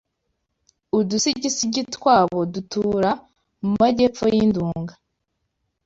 udusigisigi twabo dutura mu majyepfo y’i Nduga